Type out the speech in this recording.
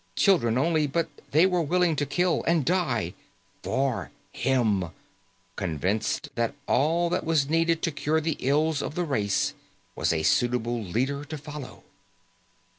Children only, but they were willing to kill and die, for him, convinced that all that was needed to cure the ills of the race was a suitable leader to follow.